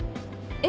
え！